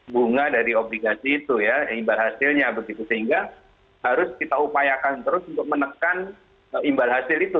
bunga dari obligasi itu ya imbal hasilnya begitu sehingga harus kita upayakan terus untuk menekan imbal hasil itu